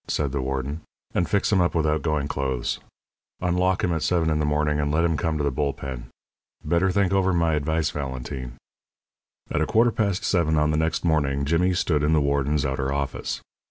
said the warden, "and fix him up with outgoing clothes. Unlock him at seven in the morning, and let him come to the bull pen. Better think over my advice, Valentine." At a quarter past seven on the next morning Jimmy stood in the warden's outer office.